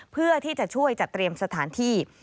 เพื่อที่จะช่วยจัดเตรียมสถานที่